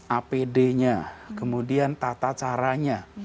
apd nya kemudian tata caranya